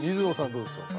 どうでしょうか？